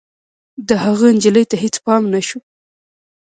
د هغه نجلۍ ته هېڅ پام نه شو.